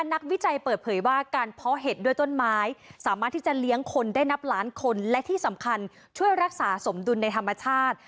นักวิจัยเปิดเผยว่าการเพาะเห็ดด้วยต้นไม้สามารถที่จะเลี้ยงคนได้นับล้านคนและที่สำคัญช่วยรักษาสมดุลในธรรมชาติ